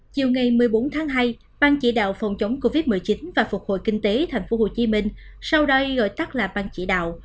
chiều ngày một mươi bốn tháng hai bang chỉ đạo phòng chống covid một mươi chín và phục hồi kinh tế tp hcm sau đó gọi tắt là ban chỉ đạo